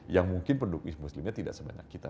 yang mungkin penduduk muslimnya tidak sebanyak kita